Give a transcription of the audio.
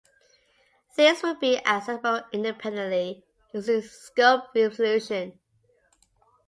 These will be accessible independently, using scope resolution.